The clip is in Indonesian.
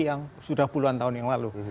yang sudah puluhan tahun yang lalu